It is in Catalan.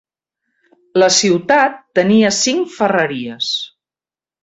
La ciutat tenia cinc ferreries.